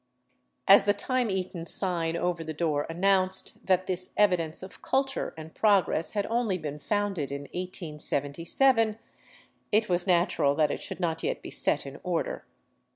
...*' As the time eaten sign over the door announced that this eviden(5e of culture and progress had only been founded in 1877, it was natural that it should not yet be set in order.